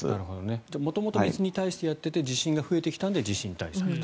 じゃあ、元々水に対してやっていて地震が増えてきたので地震対策と。